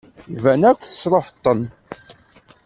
Iban akk tesṛuḥeḍ-ten.